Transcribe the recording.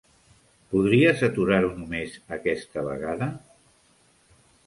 Podries aturar-ho només aquesta vegada?